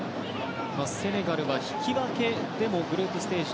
セネガルは引き分けでもグループステージ